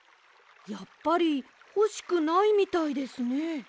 やっぱりほしくないみたいですね。